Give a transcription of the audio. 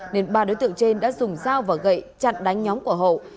nên ba đối tượng trên đã dùng dao và gậy chặt đánh nhóm của hậu